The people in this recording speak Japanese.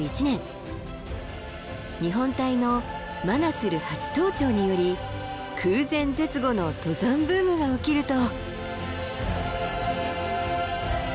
日本隊のマナスル初登頂により空前絶後の登山ブームが起きると。